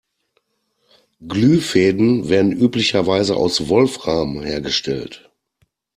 Glühfäden werden üblicherweise aus Wolfram hergestellt.